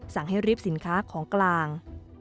สั่งให้รีบสินค้าของกลาง